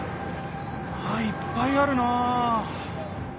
いっぱいあるな！